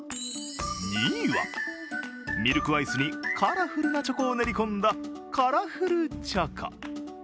２位は、ミルクアイスにカラフルなチョコを練り込んだカラフルチョコ。